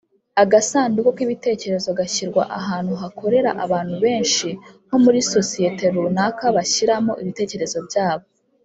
Agasanduku k Ibitekerezo gashyirwa ahantu hakorera abantu benshi nko muri sosiyete runaka bashyiramo ibitekerezo byabo